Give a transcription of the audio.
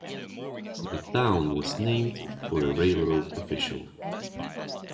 The town was named for a railroad official.